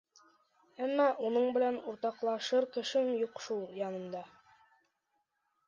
Әммә уның менән уртаҡлашыр кешем юҡ шул янымда.